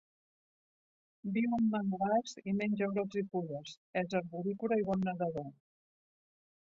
Viu en manglars i menja brots i fulles, és arborícola i bon nedador.